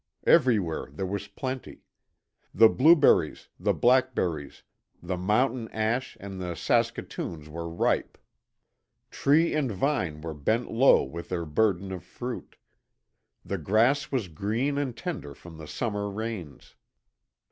Everywhere there was plenty. The blueberries, the blackberries, the mountain ash and the saskatoons were ripe; tree and vine were bent low with their burden of fruit. The grass was green and tender from the summer rains.